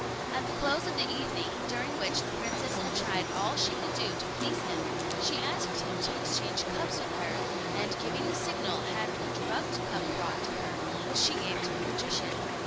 At the close of the evening, during which the princess had tried all she could to please him, she asked him to exchange cups with her, and giving the signal, had the drugged cup brought to her, which she gave to the magician.